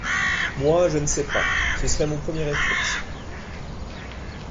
Moi, je ne sais pas, ce serait mon premier réflexe.